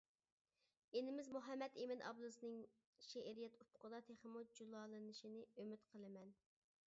ئىنىمىز مۇھەممەتئىمىن ئابلىزنىڭ شېئىرىيەت ئۇپۇقىدا تېخىمۇ جۇلالىنىشىنى ئۈمىد قىلىمەن.